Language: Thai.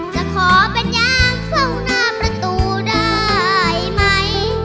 จะขอเป็นยางเฝ้าหน้าประตูได้ไหม